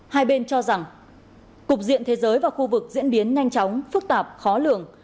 một mươi một hai bên cho rằng cục diện thế giới và khu vực diễn biến nhanh chóng phức tạp khó lường